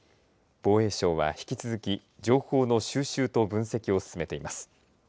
防衛省は引き続き、情報の収集と分析を進めています。